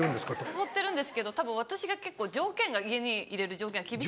誘ってるんですけどたぶん私が結構家に入れる条件が厳しくて。